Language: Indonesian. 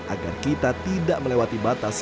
agar kita tidak melewati batas